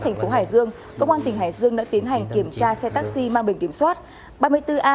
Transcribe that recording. thành phố hải dương công an tỉnh hải dương đã tiến hành kiểm tra xe taxi mang bền kiểm soát ba mươi bốn a sáu nghìn ba trăm sáu mươi bốn